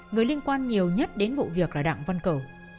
người liên quan nhiều nhất đến vụ việc là đặng văn cầu